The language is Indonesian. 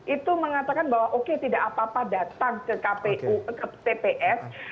itu mengatakan bahwa oke tidak apa apa datang ke tps